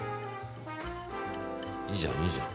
いいじゃんいいじゃん。